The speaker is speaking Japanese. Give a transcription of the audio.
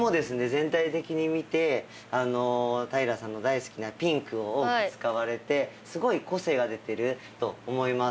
全体的に見て平さんの大好きなピンクを多く使われてすごい個性が出てると思います。